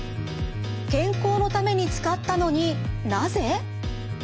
健康のために使ったのになぜ？